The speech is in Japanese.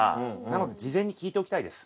なので事前に聞いておきたいです。